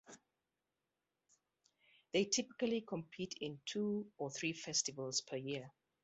They typically compete in two to three festivals per year.